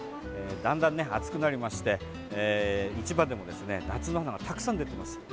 だんだん暑くなりまして市場でもですね夏の花がたくさん出てます。